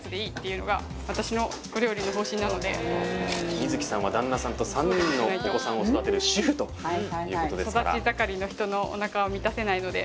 実月さんは旦那さんと３人のお子さんを育てる主婦ということですから。